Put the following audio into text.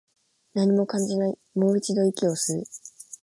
何も感じない、もう一度、息を吸う